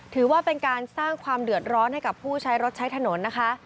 ถือว่าเป็นการสร้างความเดือดร้อนให้กับผู้ใช้รถใช้ถนนนะคะ